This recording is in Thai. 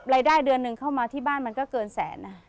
รายได้เดือนหนึ่งเข้ามาที่บ้านมันก็เกินแสนนะ